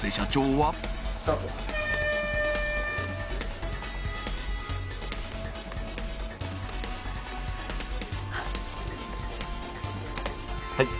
はい！